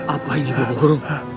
apa ini bapak guru